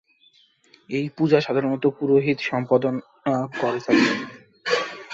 এই পূজা সাধারণত পুরোহিত সম্পাদনা করে থাকেন।